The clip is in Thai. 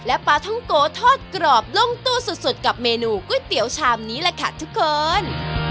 ปลาท่องโกทอดกรอบลงตู้สุดกับเมนูก๋วยเตี๋ยวชามนี้แหละค่ะทุกคน